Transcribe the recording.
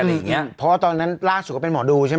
เพราะว่าตอนนั้นล่าสุดเป็นหมอดูใช่ไหม